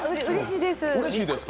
うれしいです。